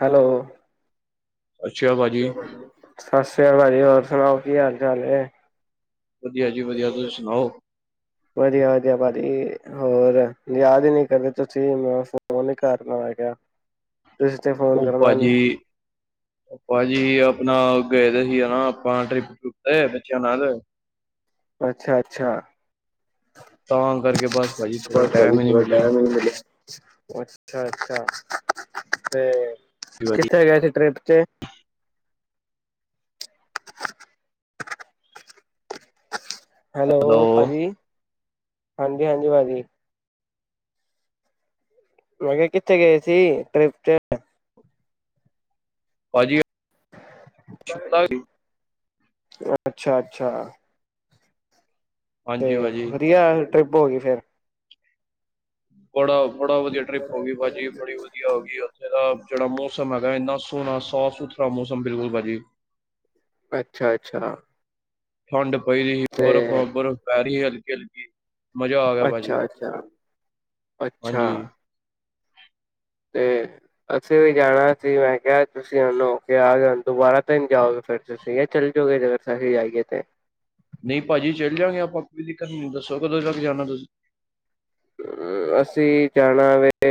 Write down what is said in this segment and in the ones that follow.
Hello, ਅੱਛਾ ਭਾਜੀ, [unintelligible] ਹੋਰ ਸੁਣਾਓ ਕੀ ਹਾਲ ਚਾਲ ਐ? ਵਧੀਆ ਜੀ ਵਧੀਆ, ਤੁਸੀਂ ਸੁਣਾਓ? ਵਧੀਆ ਵਧੀਆ ਭਾਜੀ ਹੋਰ ਯਾਦ ਹੀ ਨੀ ਕਰਦੇ ਤੁਸੀਂ ਮੈਂ ਫੋਨ ਕਰ ਲਾ ਮੈਂ ਕਿਆ। ਔ ਭਾਜੀ-ਭਾਜੀ ਆਪਣਾ ਗਏ ਦੇ ਹੀ ਹਨਾ। ਹਾਂ ਟਰਿਪ ਕੀਤਾ ਏ ਬੱਚਿਆ ਨਾਲ। ਅੱਛਾ-ਅੱਛਾ, ਤਾਂ ਕਰਕੇ ਬਸ ਭਾਜੀ ਥੋੜਾ ਬਸ ਟਾਈਮ ਭਾਜੀ ਹੀ ਨਹੀਂ ਥੋੜਾ ਮਿਲਿਆ ਟੈਮ ਈ ਨੀ ਮਿਲਿਆ, ਅੱਛਾ -ਅੱਛਾ। ਤੇ, ਭਾਜੀ ਕਿਥੇ ਗਿਆ ਸੀ ਟਰਿਪ? ਤੇ, [unintelligible] ਹੈਲੋ, ਭਾਜੀ। ਹਾਂਜੀ-ਹਾਂਜੀ ਭਾਜੀ। ਮੈਂ ਕਿਆ ਕਿੱਥੇ ਗਏ ਸੀ, ਟ੍ਰਿਪ? ਭਾਜੀ, ਸ਼ਿਮਲਾ ਗਏ ਸੀ। ਅੱਛਾ-ਅੱਛਾ। ਤੇ ਹਾਂਜੀ ਭਾਜੀ ਵਧੀਆ ਟ੍ਰਿਪ ਹੋ ਗਈ ਫੇਰ। [inaudible] ਬੜਾ -ਬੜਾ ਵਧੀਆ ਟਰਿਪ ਹੋ ਗਈ ਭਾਅ ਜੀ। ਬੜੀ ਵਧੀਆ ਹੋ ਗਈ ਉੱਥੇ ਦਾ- ਜੇੜਾ ਮੌਸਮ ਹੈਗਾ ਏਨਾ ਸੋਣਾ ਸਾਫ ਸੁਥਰਾ ਮੌਸਮ ਬਿਲਕੁਲ ਭਾਜੀ। ਅੱਛਾ ਅੱਛਾ। ਠੰਡ ਪਈ ਦੀ ਹੀ। ਤੇ ਬਰਫ਼ -ਬਰਫ਼ ਪੈ ਰੀ ਸੀ ਹ- [inaudible] ਅੱਛਾ ਅੱਛਾ। ਅੱਛਾ ਹਾਂਜੀ ਤੇ ਅਸੀਂ ਵੀ ਜਾਣਾ ਸੀ। ਮੈਂ ਕਿਆ ਤੁਸੀਂ ਉਨੂੰ ਕਿਆ ਦੁਬਾਰਾ ਤੇ ਨੀ ਜਾਓਗੇ। ਫਿਰ ਤੁਸੀਂ ਜਾ ਚੱਲ ਜਓਗੇ ਜੇ ਅਸੀਂ ਜਾਈਏ ਤੇ। ਨਈ ਭਾਜੀ ਚੱਲ ਜਾਂਗੇ ਆਪਾਂ। ਕੋਈ ਦਿੱਕਤ ਨਈ। ਦੱਸੋ ਕਦੋਂ ਤੱਕ ਜਾਣਾ ਤੁਸੀਂ? ਅਸੀਂ ਜਾਣਾ ਵੇ-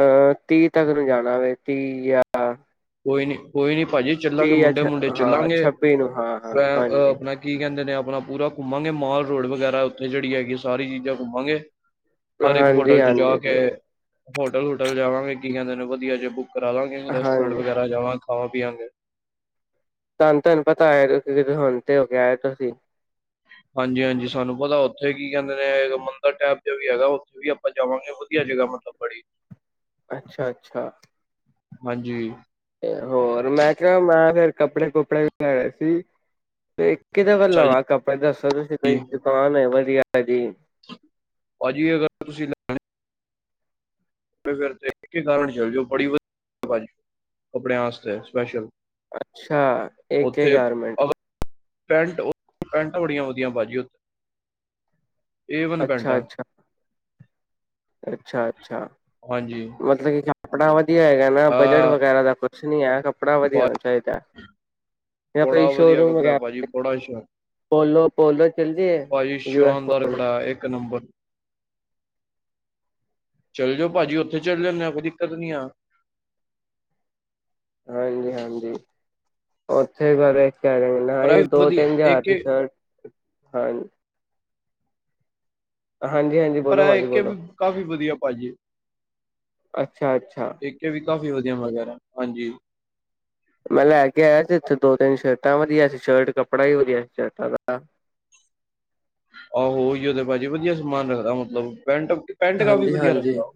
ਅਹ ਤੀ ਤੱਕ ਨੂੰ ਜਾਣਾ ਵੇ ਤੀ ਜਾਂ- ਕੋਈ ਨੀ -ਕੋਈ ਨੀ। ਭਾਜੀ ਚੱਲਾਂਗੇ। ਤੀਹ ਜਾਂ ਮੁੰਡੇ ਛ -ਮੁੰਡੇ ਹਾਂ ਚੱਲਾਂਗੇ ਛੱਬੀ ਨੂੰ ਹਾਂ ਹਾਂ ਫ ਹਾਂਜੀ ਆਪਣਾ ਕੀ ਕਹਿੰਦੇ ਨੇ ਅਪ- ਆਪਣਾ ਪੂਰਾ ਘੁੰਮਾਂਗੇ ਮਾਲ ਰੋਡ ਵਗੈਰਾ। ਉੱਥੇ ਜੇੜੀ ਹੈਗੀ ਸਾਰੀ ਚੀਜ਼ਾਂ ਘੁੰਮਾਂਗੇ। ਹਰ ਇੱਕ ਹਾਂਜੀ ਹੋਟਲ ਚ ਜਾ -ਹਾਂਜੀ ਕੇ ਸਈ। ਹੋਟਲ ਹੂਟਲ ਜਾਵਾਂਗੇ ਕੀ ਕੇਂਦੇ ਨੇ ਵਧੀਆ ਜੇ ਬੁੱਕ- ਕਰਾ ਲਾਂਗੇ ਏਨੂੰ ਰੈਸਟ। ਪਿੰਡ ਹਾਂਜੀ ਵਗੈਰਾ ਜਮਾਂ ਖਾਓ ਪੀ ਆਦੇ ਤਾਨੂੰ ਤੁਹਾਨੂੰ ਪਤਾ ਆਇਆ ਕਿ ਹੁਣ ਤੇ ਹੋ ਕੇ ਆ ਤੁਸੀਂ ਹਾਂਜੀ ਹਾਂਜੀ ਸਾਨੂੰ ਪਤਾ ਉੱਥੇ ਕੀ ਕਹਿੰਦੇ ਨੇ ਮੰਦਰ ਟਾਈਪ ਦਾ ਵੀ ਹੈਗਾ ਉੱਥੇ ਵੀ ਆਪਾਂ ਜਾਵਾਂਗੇ ਵਧੀਆ ਜਗ੍ਹਾ ਮਤਲਬ ਬੜੀ ਅੱਛਾ ਅੱਛਾ ਹਾਂਜੀ ਹੋਰ ਮੈਂ ਕਿਹਾ ਮੈਂ ਫਰ ਕੱਪੜੇ ਕੁਪੜੇ ਵੀ ਲੈਣੇ ਸੀ ਤੇ ਕਿਦੇ ਵੱਲ ਅੱਛਾ ਆ ਆਪਾਂ ਦੱਸੋ ਤੁਸੀਂ ਜੀ ਕੋਈ ਦੁਕਾਨ ਹੈ ਵਧੀਆ ਹਾਂਜੀ ਭਾਜੀ ਅਗਰ ਤੁਸੀਂ ਲੈਣੇ ਫਿਰ ਇੱਕ ਹੀ ਕਾਰਨ ਚ ਜੋ ਬੜੀ ਵਧੀਆ ਕਪੜਿਆਂ ਵਾਸਤੇ ਸਪੈਸ਼ਲ ਅੱਛਾ ਇੱਕ ਇੱਕ ਉੱਥੇ ਗਾਰਮੈਂਟ ਪੈਂਟ ਪੈਂਟਾਂ ਬੜੀਆਂ ਵਧੀਆ ਬਾਜੀੀ ਉੱਤੇੇ ਏਵਨ ਅੱਛਾ ਪੈਂਟਾ ਅੱਛਾ ਅੱਛਾ ਅੱਛਾ ਹਾਂਜੀ ਮਤਲਬ ਕੀ ਆਪਣਾ ਵ ਵਧ ਹੈਗਾ ਨਾ ਬਜਟ ਅਹ ਵਗੈਰਾ ਦਾ ਕੋਈ ਨ ਆ ਕੱਪੜਾ ਵਧੀਆ ਭਾ ਏ ਫੇ ਹੈ ਕ ਜਾਂ ਕੋਈ ਬੜਾ ਵਧੀਆ ਸ਼ੋਰੂਮ ਕੱਪੜਾ ਭਾਜੀ ਵਗੈਰਾ ਬੜਾ ਸ਼ ਪੋਲੋ ਪੋਲੋ ਚੱਲਦੀ ਹੈ ਭਾਜੀ ਯੂ ਐਸ ਸ਼ਾਨਦਾਰ ਪੋਲੋ ਕੱਪੜਾ ਇੱਕ ਨੰਬਰ ਚੱਲ ਜਾਓ ਭਾਜੀ ਉੱਥੇ ਚਲੇ ਜਾਂਦੇ ਆ ਕੋਈ ਦਿੱਕਤ ਨੀ ਆ ਹਾਂਜੀ ਹਾਂਜੀ ਉੱਥੇ ਬਾਰੇ ਕਹਿ ਪਰ ਰਹੇ ਇਹ ਦੋ ਵਧੀਆ ਤਿੰਨ ਹਜ਼ਾਰ ਆਦੀ ਏਕੇ ਸ਼ਰਟ [inaudible] ਹਾਂ ਹਾਂਜੀ ਹਾਂਜੀ ਪਰ ਬੋਲੋ ਇਹ ਬਾਾਜੀ ਏਕੇ ਬੋਲੋ ਵੀ ਕਾਫ਼ੀ ਵਧੀਆ ਭਾਜੀ ਅੱਛਾ ਅੱਛਾ ਕਾਫੀ ਵਧੀਆ ਵਗੈਰਾ ਹਾਂਜੀ ਮੈਂ ਲੈ ਕੇ ਆਇਆ ਸੀ ਇੱਥੇ ਦੋ ਤਿੰਨ ਸ਼ਰਟਾਂ ਵਧੀਆ ਸੀ ਸ਼ਰਟ ਕੱਪੜਾ ਹੀ ਵਧੀਆ ਸੀ ਸ਼ਰਟਾਂ ਦਾ ਆਹੋ ਉਹੀਓ ਤੇ ਭਾਜੀ ਵਧੀਆ ਸਮਾਨ ਰੱਖਦਾ ਮਤਲਬ ਪੈਂਟ ਪੈਂਟ ਕਾਫ਼ੀ ਹਾਂਜੀ ਵਧੀਆ ਰੱਖਦਾ ਹਾਂਜੀ ਉਹ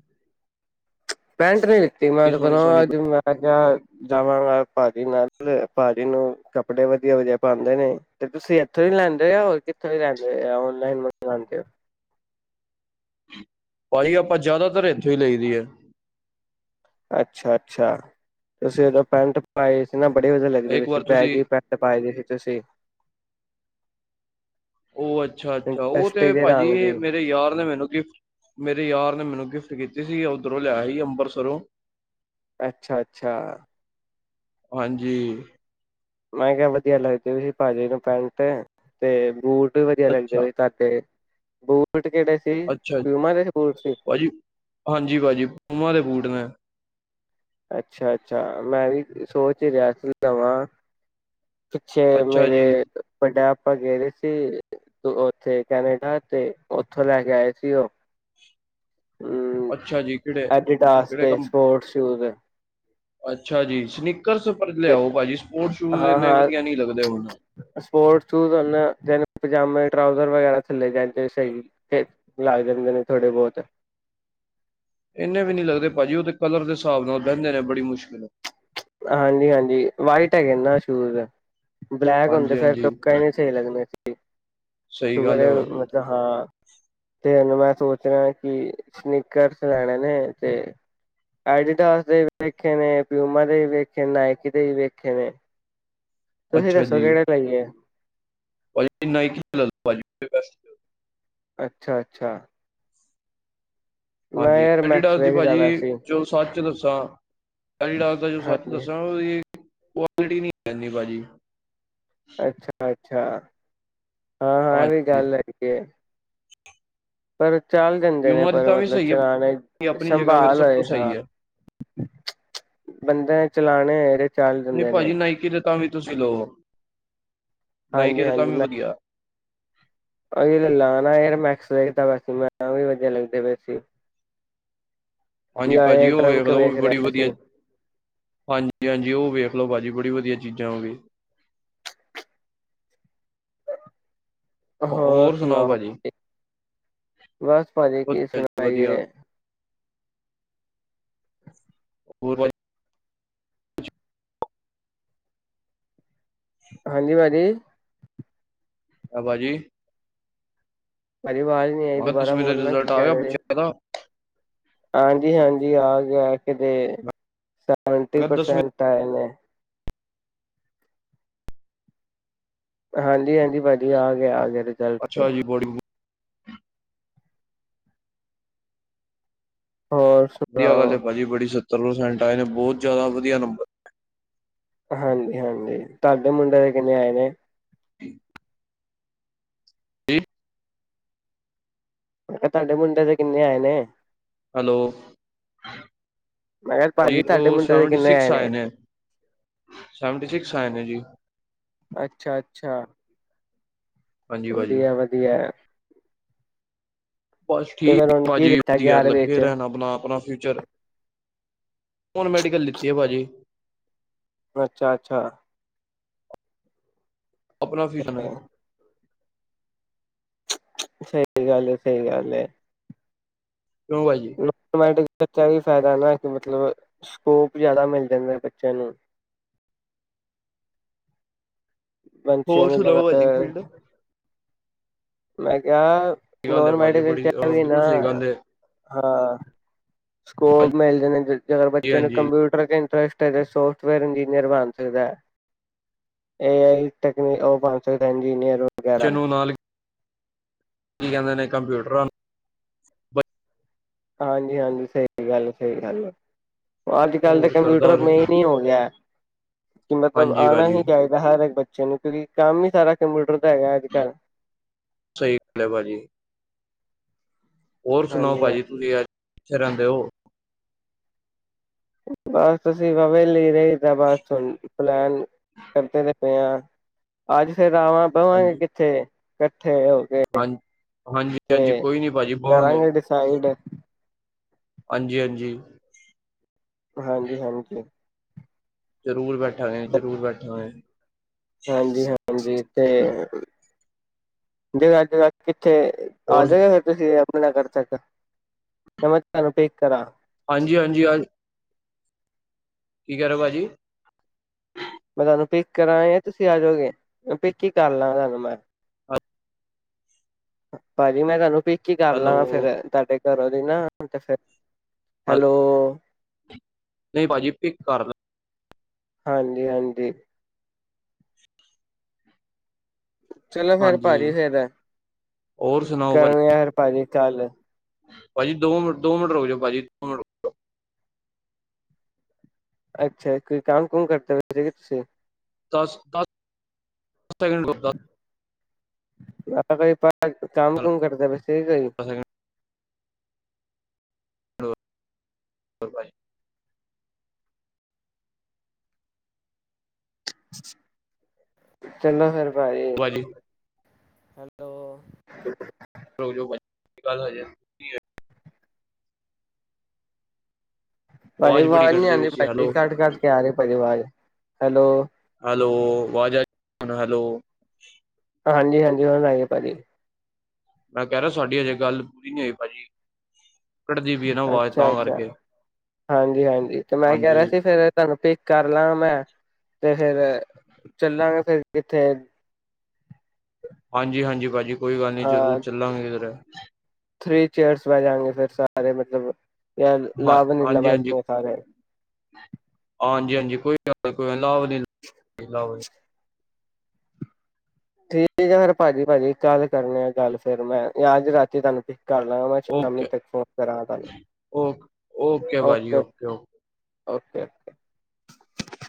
ਪੈਂਟ ਨੀ ਲਿੱਤੀ ਬੜੀ ਮੈਂਲੋ ਸੋਹਣੀ ਸੋਹਣੀ ਅੱਜ ਮੈਂ ਕਿਹਾ ਜਾਵਾਂਗਾ ਭਾਜੀ ਨਾਲ ਭਾਜੀ ਨੂੰ ਕੱਪੜੇ ਵਧੀਆ ਵਧੀਆ ਪਾਉਂਦੇ ਨੇ ਤੇ ਤੁਸੀਂ ਇਥੋਂ ਹੀ ਲੈਂਦੇ ਆ ਹੋਰ ਕਿਥੋਂ ਲੈਂਦੇ ਲਾਨ ਜਾਦੇ ਹੋ [unintelligible] ਆਪਾਂ ਜ਼ਿਆਦਾਤਰ ਇੱਥੋਂ ਹੀ ਲਈਦੀ ਹੈ ਅੱਛਾ ਅੱਛਾ ਤੁਸੀਂ ਉਦੋਂ ਪੈਂਟ ਪਾਏ ਸੀ ਨਾ ਬੜੀ ਵਧੀਆ ਲੱਗਦੀ ਇੱਕ ਸੀ ਵਾਰ ਬੈਗ ਤੁਸੀਂ ਹੀ ਪੈਂਟ ਪਾਈ ਦੀ ਸੀ ਤੁਸੀਂ ਉਹ ਅੱਛਾ ਅੱਛਾ ਉਹ ਤੇ ਕਸ਼ਟੀ ਦੇ ਭਾਜੀ ਰੰਗ ਦੀ ਮੇਰੇ ਯਾਰ ਨੇ ਮੈਨੂੰ ਗਿਫਟ ਮੇਰੇ ਯਾਰ ਨੇ ਮੈਨੂੰ ਗਿਫਟ ਕੀਤੀ ਸੀ ਉਓਧਰੋਂ ਲਿਆ ਸੀ ਅੰਬਰਤਸਰੋਂ ਅੱਛਾ ਅੱਛਾ ਹਾਂਜੀ ਮੈਂ ਕਿਹਾ ਵਧੀਆ ਲੱਗਦੀ ਸੀ ਭਾਜੀ ਨੂੰ ਪੈਂਟ ਤੇ ਬੂਟ ਵੀ ਵਧੀਆ ਲੱਗਦੇ ਅੱਛਾ, ਸੀ ਪਾ ਕੇ ਹੋ ਅੱਛਾ ਭਾਜੀ ਹਾਂਜੀ ਪੀਯੂਮਾ ਦੇ ਬੂਟ ਨੇ [unintelligible] ਅੱਛਾ ਅੱਛਾ ਮੈਂ ਵੀ ਸੋ ਚ ਰਿਹਾਸਲ ਲਵਾਂ ਪਿੱਛੇ ਅੱਛਾ ਮੇਰੇ ਜੀ, ਵੱਡਾ ਆਪਾਂ ਗਏ ਸੀ ਉੱਥੇ ਕੈਨੇਡਾ ਤੇ ਉਓਥੋਂ ਲੈ ਕੇ ਆਏ ਸੀ ਉਹ ਹਮ ਅੱਛਾ ਜੀ ਕਿਹੜੇ ਐਡੀਟਾਸ ਕਿਹੜੇ ਦੇ ਕੰਮ ਸਪੋਰਟਸ ਸ਼ੂਜ ਅੱਛਾ ਜੀ ਸਨਿਕ ਕਰ ਤੇ ਲਿਆਓ ਭਾਜੀ ਸਪੋਰਟ ਸ਼ੂਜ ਹਾਂ ਇੰਨੇ ਹਾਂ ਵਧੀਆ ਨਹੀਂ ਲੱਗਦੇ ਹਣ ਟਰਾਾਊਜ਼ਰ ਵਗੈਰਾ ਥੱਲੇ ਜਾਂਦੇ ਸ ਲਗ ਜਾਂਦੇ ਨੇ ਥੋੜੇ ਬਹੁਤ ਇੰਨੇ ਵੀ ਨਹੀਂੀ ਲੱਗਦੇ ਭਾਜੀ ਉਹਦੇ ਕਲਰ ਦੇ ਹਿਸਾਬ ਨਾਲ ਬਹਿੰਦੇ ਨੇ ਬੜੀ ਮੁਸ਼ਕਿਲ ਹਾਂਜੀ ਹਾਂਜੀ ਵਾਈਟ ਹੈਗੇ ਨਾ ਸ਼ੂਜ ਬਲੈਕ ਹੁੰਦੇ ਫਿਰ ਹਾਂਜੀ-ਹਾਂਜੀ ਤੁਕੇ ਹੀ ਨਹੀਂ ਸੀ ਲੱਗਣੇ ਸਹੀ ਸਹੀ ਗੱਲ ਹੈ ਵੈਲ ਭਾਜੀ ਮਤਲਬ ਹਾਂ ਤੇ ਉਹਨੂੰ ਮੈਂ ਸੋਚ ਰਿਹਾ ਕਿ ਸਨੀਕਰਸ ਲੈਣੇ ਨੇ ਤੇ ਐਡੀਦਾਸ ਦੇ ਵੇਖੇ ਨੇ ਪਿਊਮਾ ਦੇ ਵੇਖੇ ਨੇ ਨਾਇਕੀ ਦੇ ਵੀ ਵੇਖੇ ਨੇ ਤੁਸੀਂ ਅੱਛਾ ਦੱਸੋ ਜੀ ਕਿਹੜੇ ਲਈ ਆ ਭਾਜੀ ਨਾਇਕੀ ਲੈ ਲਓ ਅੱਛਾ ਅੱਛਾ ਹਾਂਜੀ ਮੈਕਸ ਐਡੀਡਾਸ ਦੀ ਵੇਖਦਾ ਪਿਆ ਭਾਜੀ ਸੀ। ਚਲੋ ਸੱਚ ਦੱਸੋ ਸਾ ਐਡੀਡਾਸ ਦਾ ਜੋ ਸੱਚ ਹਾਂਜੀ, ਦੱਸਾ ਉਹਦੀ ਕੁਆਲਿਟੀ ਨਹੀਂ ਇਨੀ ਭਾਜੀ ਅੱਛਾ ਅੱਛਾ ਹਾਂ ਹਾਂ ਐ ਵੀ ਹਾਂਜੀ ਗੱਲ ਹੈਗੀ ਪਰ ਚਲ ਦਿੰਦੇ ਨੇ ਯੂਮਾ ਦੀ ਪਰ ਤਾਂ ਵੀ ਮਤਲਬ ਸਹੀ ਹੈ ਚਲਾਣੇ ਭਾਜੀ, ਆਪਣੀ ਜਗ੍ਹਾ ਫਿਰ ਸੰਭਾਲ ਸਭ ਤੋਂ ਹੋਏ ਸਹੀ ਹਾਂ ਹੈ ਬੰਦੇ ਨੇ ਚਲਾਣੇ ਨਹੀਂ ਏ ਨਹੀਂ ਭਾਜੀ ਨਾਈਕੀ ਦੇ ਤਾ ਵੀ ਤੁਸੀਂ ਲਓ ਨਾਇਕੀ ਦੇ ਤਾਂ ਵੀ ਵਧੀਆ ਇਹੀ ਲੈ ਲਾਂਗਾ [unintelligible] ਵਧੀਆ ਲੱਗਦੇ ਪਏ ਸੀ ਹਾਂਜੀ ਜਾਂ ਭਾਜੀ ਇਹ ਉਹ ਟਰੰਕ ਵੇਖਲੋ ਉਹ ਵੇਖ ਵੀ ਬੜੀ ਰਿਹਾ ਵਧੀਆ ਸੀ। ਹਾਂਜੀ ਹਾਂਜੀ ਉਹ ਵੇਖ ਚਲੋ ਭਾਜੀ ਬੜੀ ਵਧੀਆ ਚੀਜ਼ਾਂ ਹੋਗੀ ਹੋਰ ਸੁਣਾਓ ਬਸ ਭਾਜੀ ਕੀ ਵਧੀਆ ਜੀ ਵਧੀਆ ਸੁਣਾਈਏ ਹੋਰ ਭਾਜੀ ਹਾਂਜੀ ਭਾਜੀ ਹਾਂ ਭਾਜੀ ਭਾਜੀ ਆਵਾਜ਼ ਨੀ ਆਈ ਮੈਂ ਕਿਹਾ ਦੁਬਾਰਾ ਦਸਵੀਂ ਦਾ ਬੋਲਣਾ ਕੀ ਰਿਜ਼ਲਟ ਆ ਕਹਿ ਗਿਆ ਰਹੇ ਬੱਚਿਆਂ ਦਾ ਹਾਂਜੀ ਹਾਂਜੀ ਆ ਗਿਆ ਕਿਤੇ ਮੈਂ ਸੈਂਵਟੀ ਕਿਹਾ ਦਸਵੀਂ ਪਰਸੈਂਟ ਆਏ ਨੇ ਹਾਂਜੀ ਹਾਂਜੀ ਭਾਜੀ ਆ ਗਿਆ ਆ ਗਿਆ ਰਿਜ਼ਲਟ ਤੇ ਅੱਛਾ ਜੀ ਬੋਡੀ ਹੋਰ ਵਧੀਆ ਗੱਲ ਏ ਸੁਣਾਓ ਭਾਜੀ ਬੜੀ ਸ ਸੱਤਰ ਪ੍ਰਸੈਂਟ ਆਏ ਨੇ ਬਹੁਤ ਜ਼ਿਆਦਾ ਵਧੀਆ ਨੰਬਰ ਹਾਂਜੀ ਹਾਂਜੀ ਤੁਹਾਡੇ ਮੁੰਡੇ ਦੇ ਕਿੰਨੇ ਆਏ ਨੇ [unintelligible] ਕੀ ਮ ਤੁਹਾਡੇ ਮੁੰਡੇ ਤੇ ਕਿੰਨੇ ਆਏ ਨੇ। ਹੈਲੋ, ਮੈਂ ਕਿਹਾ ਭਾਜੀ ਤੁਹਾਡੇ ਉਹ ਮੁੰਡੇ ਦੇ ਸੈਵਨਟੀ ਕਿੰਨੇ ਸਿਕਸ ਆਏ ਨੇ ਸੈਵਨਟੀ ਸਿਕਸ ਆਏ ਨੇ ਜੀ। ਅੱਛਾ ਅੱਛਾ। ਹਾਂਜੀ ਭਾਜੀ ਵਧੀਆ ਵਧੀਆ। ਬਸ ਤੇ ਫਿਰ ਠੀਕ ਹੁਣ ਕੀ ਭਾਜੀ ਲਿੱਤਾ ਵਧੀਆ ਗਿਆਰਵੀਂ ਲੱਗੇ ਚ ਰਹਿਣ ਆਪਣਾ ਆਪਣਾ ਫਿਊਚਰ, ਹੁਣ ਮੈਡੀਕਲ ਲਿੱਤੀ ਹੈ ਭਾਜੀ। ਅੱਛਾ ਅੱਛਾ। ਆਪਣਾ ਫਿਊਜਨ ਹੈ। ਸਹੀ ਗੱਲ ਹੈ, ਸਹੀ ਗੱਲ ਹੈ। ਕਿਉਂ ਭਾਈਏ। ਮੈਥਮੈਟਿਕਸ ਬੱਚਾ ਵੀ ਫਾਇਦਾ ਨਾ ਇੱਕ ਮਤਲਬ ਸਕੋਪ ਜ਼ਿਆਦਾ ਮਿਲ ਜਾਂਦਾ ਬੱਚਿਆਂ ਨੂੰ। ਬਛੀਆਂ ਹੋਰ ਨੂੰ ਸੁਣਾਓ ਲਗਾ ਭਾਜੀ ਫੀਲਡ ਮੈਂ ਕਿਹਾ, ਸਹੀ ਗੱਲ ਹੈ ਨੋਨ ਭਾਜੀ ਮੈਡੀਕਲ ਚ ਬੜੀ ਅਹ, ਵੀ ਬਿਲਕੁਲ ਨਾ, ਸਹੀ ਗੱਲ ਹੈ ਹਾਂ ਸਕੋਪ ਹਾਂਜੀ ਮਿਲਦੇ ਨੇ ਜੇਕਰ ਬੱਚੇ ਨੂੰ ਹਾਂਜੀ ਕੰਪਿਊਟਰ ਇੰਟਰਸਟ ਫਿਰ ਸੋਫਟਵੇਅਰ ਇੰਜੀਨੀਅਰ ਬਣ ਸਕਦਾ ਏ ਆਈ ਟਕਨੀ ਉਹ ਬਣ ਸਕਦਾ ਇੰਜੀਨੀਅਰ। ਵਗੈਰਾ ਚਨੋ ਨਾਲ, ਕੀ ਕਹਿੰਦੇ ਨੇ ਕੰਪਿਊਟਰਾਂ ਨੂੰ, ਬ- ਹਾਂਜੀ ਹਾਂਜੀ ਸਹੀ ਗੱਲ ਸਹੀ ਗੱਲ ਹੈ। ਅੱਜ ਕੱਲ੍ਹ ਦੇ ਹੋਰ ਕਰਦਾ ਕੰਪਿਊਟਰ ਹੋਰ। ਮੇਨ ਹੀ ਹੋ ਗਿਆ। ਕਿ ਮਤਲਬ ਹਾਂਜੀ ਆਉਣਾ ਭਾਜੀ ਹੀ ਚਾਹੀਦਾ ਹਰ ਇੱਕ ਬੱਚਾ ਬੱਚਿਆ ਨੂ [unintelligible] ਕੰਮ ਹੀ ਸਾਰਾ ਕੰਪਿਊਟਰ। ਦਾ ਹੈਗਾ ਅੱਜ ਕੱਲ੍ਹ ਸਹੀ ਗੱਲ ਹੈ ਭਾਜੀ। ਹੋਰ ਸੁਣਾਓ ਹਾਂਜੀ ਹਾਂ ਭਾਜੀ ਤੁਸੀਂ ਅੱਜ? ਫਿਰ ਆਉਂਦੇ ਹੋ, ਬਸ ਅਸੀਂ ਬਾਬਾ ਜੀ ਲੀੜੇ। ਜਾ ਬਸ ਹੁਣ ਪਲੈਨ ਕਰਦੇ ਪੲੇ ਆ ਅੱਜ। ਫੇਰ ਆਵਾਂ ਬਮਾਂਗੇ ਹਾਂਜੀ ਕਿੱਥੇ? ਕੱਟ ਇੱਕਠੇ ਹੋ ਕੇ, ਹਾਂਜੀ ਹਾਂਜੀ ਹਾਂਜੀ ਤੇ ਕੋਈ ਨੀ ਭਾਜੀ ਬਵਾਂਗੇ ਕਰਾਂਗੇ ਡਿਸਾਈਡ। ਹਾਂਜੀ ਹਾਂਜੀ। ਹਾਂਜੀ ਹਾਂਜੀ। ਜ਼ਰੂਰ ਬੈਠਾਂਗੇ ਜ਼ਰੂਰ ਬੈਠਾਂਗੇ। ਹਾਂਜੀ ਹਾਂਜੀ ਤੇ ਜੇ ਅੱਜ ਰਾਤੀਂ ਉੱਥੇ ਆ ਔਰ ਜਾਗੇ ਤੁਸੀਂ ਆਪਣਾ ਖ਼ਰਚਾ ਚੱਕ, ਫਿਰ ਮੈਂ ਤੁਹਾਨੂੰ ਪੇ ਹਾਂਜੀ ਹਾਂਜੀ ਅੱਜ ਕੀ ਕਹਿ ਰਹੇ ਹੋ ਭਾਜੀ। ਮੈਂ ਤੁਹਾਨੂੰ ਪਿਕ ਕਰਾਂ ਜਾਂ ਤੁਸੀਂ ਆ ਜਾਓਗੇ ਮੈਂ ਪਿਕ ਹੀ ਕਰ ਲਾਗਾ ਭਾਜੀ ਮੈਂ ਤੁਹਾਨੂੰ ਪਿਕ ਹੀ ਕਰ ਲਵਾਂ ਹੈਲੋ ਫੇਰ ਤੁਹਾਡੇ ਘਰੋਂ ਇਹ ਨਾ ਪੋਹਟਾ ਸਾਹਿਬ ਆ ਲੈ ਨਹੀਂ ਭਾਜੀ ਪਿਕ ਕਰ ਹਾਂਜੀ ਹਾਂਜੀ। ਚਲੋ ਫੇਰ ਹਾਂਜੀ ਭਾਜੀ ਫੇਰ ਹੋਰ ਸੁਣਾਓ ਕਰੋ ਭਾਜੀ ਯਾਰ ਭਾਜੀ ਕੱਲ ਭਾਜੀ ਦੋ ਮਿੰਟ ਦੋ ਮਿੰਟ ਰੁਕ ਜਾ ਭਾਜੀ ਦੋ ਮਿੰਟ ਰੁਕ ਦੋ। ਅੱਛਾ ਕੋਈ ਕੰਮ ਕੁਮ ਕਰਦੇ ਪਏ ਸੀ ਕੇ ਤੁਸੀਂ। ਦਸ ਦਸ ਦਸ ਸੈਕਿੰਡ ਦੱਸਦਾ ਮੈਂ ਕਿਹਾ ਬਈ ਕੋਈ ਕੰਮ ਦਸ ਕੁਮ ਕਰਦੇ ਪਏ ਸੀ। ਠੀਕ ਹੈ ਜੀ। ਸੈਕਿੰਡ ਹੋਰ ਬਈ। ਚੰਗਾ ਫੇਰ। ਬਾਏ ਭਾਜੀ ਉਹ [unintelligible] ਭਾਜੀ ਬੜੀ ਆਵਾਜ਼ ਨੀ ਕੱਟਦੇ ਆਉਂਦੀ ਵਿੱਚ ਹੈਲੋ ਘੱਟ ਘੱਟ ਕੇ ਆ ਰਹੀ ਭਾਜੀ ਆਵਾਜ਼ ਹੈਲੋ। ਹੈਲੋ ਵਾਜ ਆ ਰਹੀ ਹੈਲੋ। ਹਾਂਜੀ ਹਾਂਜੀ ਹੁਣ ਆਈਏ ਭਾਜੀ ਮੈਂ ਕਹਿ ਰਿਹਾ ਸਾਡੀ ਹਜੇ ਗੱਲ ਪੂਰੀ ਨ ਹੋਈ ਭਾਜੀ ਕੱਟਦੀ ਪਈ ਹੈ ਨਾ ਆਵਾਜ਼ ਅੱਛਾ ਤਾਂ ਅੱਛਾ ਕਰਕੇ ਹਾਂਜੀ ਹਾਂਜੀ ਤੇ ਮੈਂ ਕਹਿ ਹਾਂਜੀ ਰਿਹਾ ਸੀ ਫੇਰ ਤੁਹਾਨੂੰ ਕਰ ਲਾਂਗਾ ਮੈਂ ਤੇ ਫੇਰ ਚੱਲਾਂਗੇ ਫੇਰ ਕਿੱਥੇ ਹਾਂਜੀ ਹਾਂਜੀ ਭਾਜੀ ਕੋਈ ਗੱਲ ਨਹੀਂ ਜ਼ਰੂਰ ਚੱਲਾਂਗੇ ਇੱਧਰ। [unintelligible] ਥ੍ਰਰੀ ਚੇਅਰਸ ਬਹਿ ਜਾਗੇ ਫੇਰ ਸਾਰੇ ਮਤਲਬ ਯਾਰ ਹਾਂ ਹਾਂਜੀ ਹਾਂਜੀ [unintelligible] [unintelligible] ਠੀਕ ਆ ਫਿਰ ਭਾਜੀ ਭਾਜੀ ਕੱਲ ਕਰਨੇ ਆ ਗੱਲ ਫੇਰ ਮੈਂ ਯਜ ਰਾਤੀ ਤੁਹਾਨੂੰ ਕਰ ਲ ਮੈਂ ਸ਼ਾਮੀ ਓਕੇ ਤੱਕ ਫੋਨ ਕਰਾਂ ਤੁਹਾਨੂੰ ਓਕੇ। Okay okay